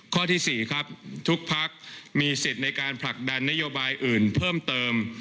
ข้อที่๔ครับทุกพักมีสิทธิ์ในการผลักดันนโยบายอื่นเพิ่มเติม